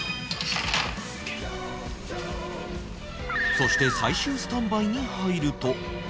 そして最終スタンバイに入ると